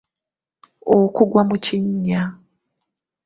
okugwa mu kinnya